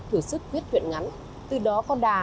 thử sức viết tuyện ngắn từ đó con đà